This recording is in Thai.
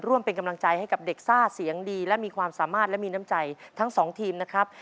ร่วมเป็นกำลังใจให้กับเด็กซ่าเสียงดีและมีความสามารถและมีน้ำใจทั้งสองทีมนะครับ